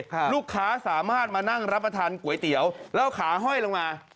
ลูกค้าสามารถมานั่งรับประทานก๋วยเตี๋ยวแล้วขาห้อยลงมา